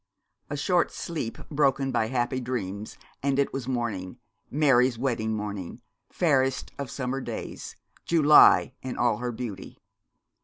A short sleep, broken by happy dreams, and it was morning, Mary's wedding morning, fairest of summer days, July in all her beauty.